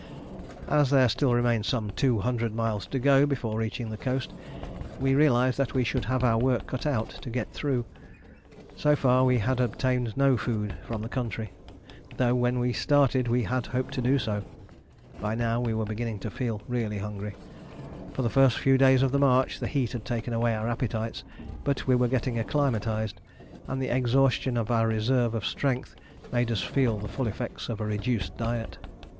As there still remained some 200 miles to go before reaching the coast, we realised that we should have our work cut out to get through. So far we had obtained no food from the country, though when we started we had hoped to do so. By now we were beginning to feel really hungry. For the first few days of the march the heat had taken away our appetites, but we were getting acclimatised, and the exhaustion of our reserve of strength made us feel the full effects of a reduced diet.